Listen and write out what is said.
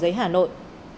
xin kính chào tạm biệt quý vị